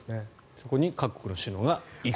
そこに各国の首脳が行くと。